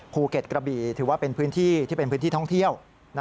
ภูเก็ตกระบี่ถือว่าเป็นพื้นที่ท่องเที่ยว